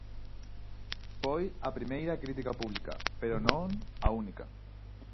Foi a primeira crítica pública, pero non a única.